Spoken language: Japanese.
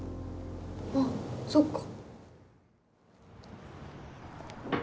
あっそっか。